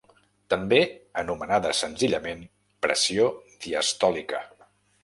També anomenada senzillament pressió diastòlica.